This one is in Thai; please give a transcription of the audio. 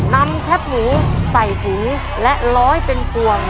นำแคปหนูใส่ถุงและล้อยเป็นกวง